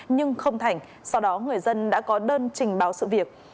nhưng không thành sau đó người dân đã có đơn trình báo sự việc